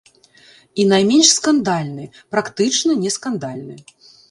І найменш скандальны, практычна не скандальны.